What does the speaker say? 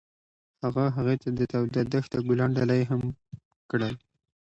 هغه هغې ته د تاوده دښته ګلان ډالۍ هم کړل.